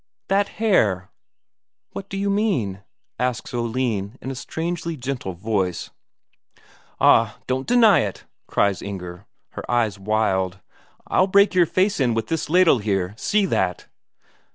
"That hare." "What do you mean?" asks Oline in a strangely gentle voice. "Ah, don't deny it!" cries Inger, her eyes wild. "I'll break your face in with this ladle here see that!"